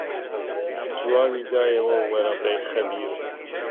جوابی دایەوە وەرەقەی خەبیر